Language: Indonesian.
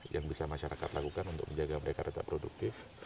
yang bisa masyarakat lakukan untuk menjaga mereka tetap produktif